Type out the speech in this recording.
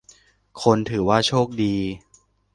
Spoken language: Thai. คนถือว่าโชคดี